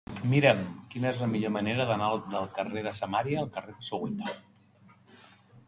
Mira'm quina és la millor manera d'anar del carrer de Samaria al carrer de Soweto.